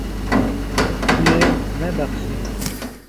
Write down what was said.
Tu yê nebexşînî.